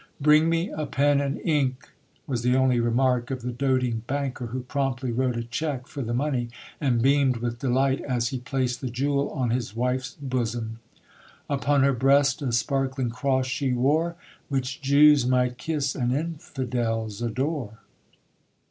"Bring me a pen and ink," was the only remark of the doting banker who promptly wrote a cheque for the money, and beamed with delight as he placed the jewel on his wife's bosom. Upon her breast a sparkling cross she wore Which Jews might kiss and infidels adore.